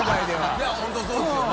い本当にそうですよね。